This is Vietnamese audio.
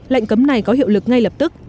lệnh cấm này có hiệu lực ngay lập tức